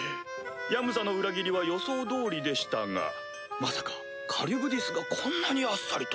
ヤムザの裏切りは予想通りでしたがまさかカリュブディスがこんなにあっさりと。